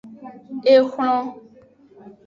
Exlon.